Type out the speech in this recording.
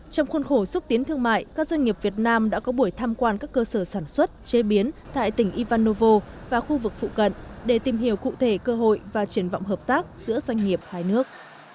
trong khuôn khổ xúc tiến thương mại các doanh nghiệp việt nam đã có buổi tham quan các cơ sở sản xuất chế biến tại tỉnh ivanovo và khu vực phụ cận để tìm hiểu cụ thể cơ hội và triển vọng hợp tác giữa doanh nghiệp hai nước